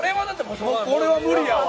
これは無理やわ。